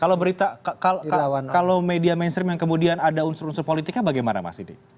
kalau berita kalau media mainstream yang kemudian ada unsur unsur politiknya bagaimana mas didi